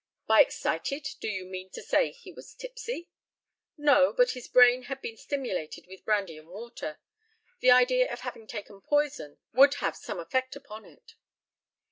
By "excited" do you mean to say he was tipsy? No; but his brain had been stimulated with brandy and water. The idea of having taken poison would have some effect upon it.